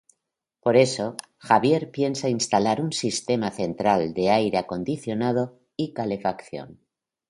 Por eso, Javier piensa instalar un sistema central de aire acondicionado y calefacción.